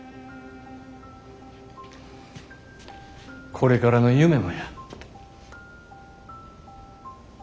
これからの夢もや。